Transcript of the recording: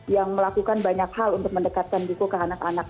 yang melakukan banyak hal untuk mendekatkan buku ke anak anak